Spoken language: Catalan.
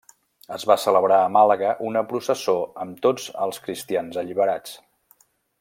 Es va celebrar a Màlaga una processó amb tots els cristians alliberats.